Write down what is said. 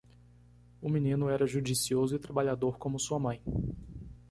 O menino era judicioso e trabalhador como sua mãe.